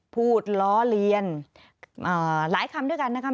ล้อเลียนหลายคำด้วยกันนะครับ